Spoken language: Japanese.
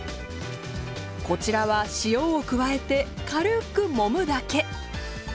こちらは塩を加えて軽くもむだけ。